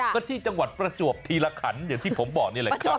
ก็ที่จังหวัดประจวบธีรขันอย่างที่ผมบอกนี่แหละครับ